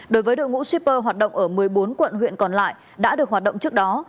đối với đội ngũ shipper hoạt động ở một mươi bốn quận huyện còn lại đã được hoạt động trước đó